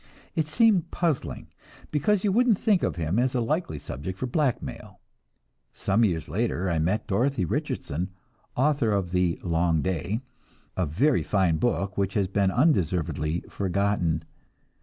It seemed puzzling, because you wouldn't think of him as a likely subject for blackmail. Some years later I met Dorothy Richardson, author of "The Long Day," a very fine book which has been undeservedly forgotten.